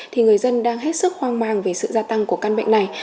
thì người dân đang hết sức hoang mang về sự gia tăng của căn bệnh này